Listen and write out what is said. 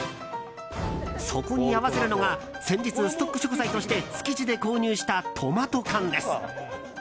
そこに合わせるのが先日、ストック食材として築地で購入したトマト缶です。